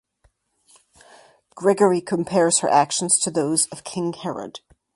Gregory compares her actions to those of King Herod.